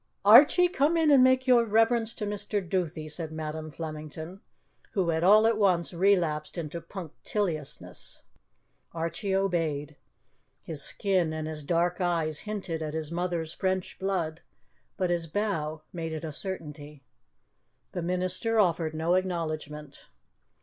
"Archie, come in and make your reverence to Mr. Duthie," said Madam Flemington, who had all at once relapsed into punctiliousness. Archie obeyed. His skin and his dark eyes hinted at his mother's French blood, but his bow made it a certainty. The minister offered no acknowledgment.